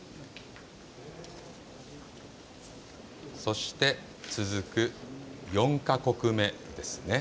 そして、続く４か国目です。